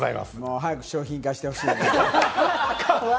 早く商品化してほしいね。